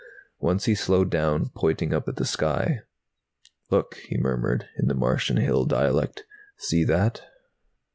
Once he slowed down, pointing up at the sky. "Look," he murmured, in the Martian hill dialect. "See that?"